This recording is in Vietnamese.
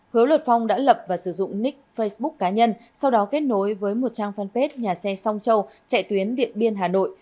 hứa luật phong đã lập và sử dụng nick facebook cá nhân sau đó kết nối với một trang fanpage nhà xe song châu chạy tuyến điện biên hà nội